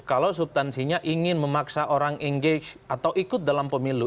kalau subtansinya ingin memaksa orang engage atau ikut dalam pemilu